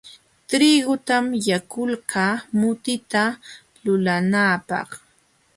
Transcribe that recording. Trigutam yakuykaa mutita lulanaapaq.